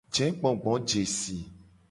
Jegbogbojesi.